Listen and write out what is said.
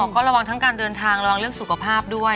ก็ระวังทั้งการเดินทางระวังเรื่องสุขภาพด้วย